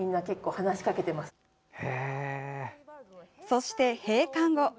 そして、閉館後。